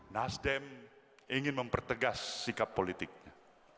nasdem ingin mempertegas sikap politiknya